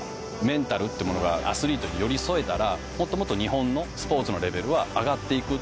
メンタルってものがアスリートに寄り添えたらもっともっと日本のスポーツのレベルは上がって行く。